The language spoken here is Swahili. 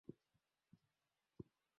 wajumbe wanne wanateuliwa na waziri wa fedha